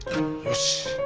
よし。